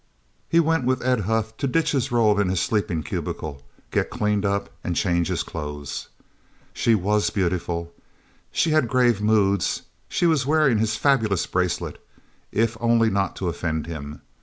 He went with Ed Huth to ditch his roll in his sleeping cubicle, get cleaned up and change his clothes. She was beautiful, she had grave moods, she was wearing his fabulous bracelet if only not to offend him.